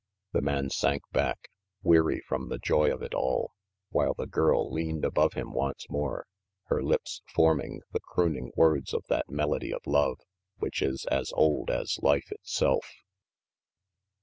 The man sank back, weary from the joy of it all, while the girl leaned above him once more, her lips forming the crooning words of that melody of love which is as old as life itself.